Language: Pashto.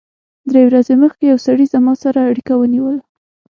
درې ورځې مخکې یو سړي زما سره اړیکه ونیوله